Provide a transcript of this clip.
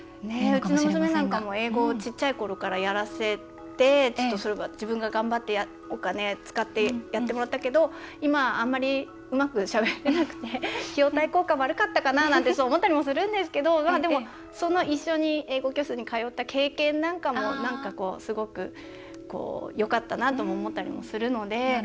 うちの娘なんかも英語を小さいころからやらせて自分が頑張ってお金使ってやってもらったけど今はあんまりうまくしゃべれなくて費用対効果悪かったかなって思ったりもするんですけどでも、一緒に英語教室に通った経験なんかもなんか、すごくよかったなとも思ったりもするので。